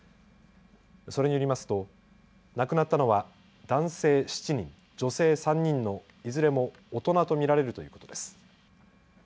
それによりますと亡くなったのは男性７人、女性３人のいずれも大人と見られるということです。